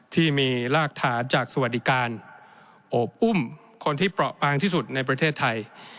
ที่มีรากฐานจากสวัสดิการโอบอุ้มคนที่เปราะปางที่สุดในประเทศไทย